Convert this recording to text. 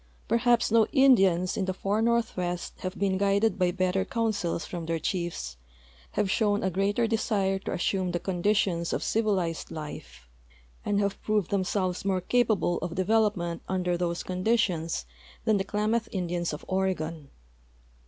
Perha])s no Indians in the far northwest have been guided by better councils from their chiefs, have shown a greater desire to assume the conditions of civilized life, or have proved them THE SAGE PLAINS OF OREGON 401 selves more capable of development under those conditions than the Klamath Indians of Oregon.